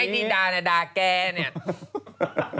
พี่ดาแก่เนี่ย